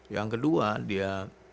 yang kedua dia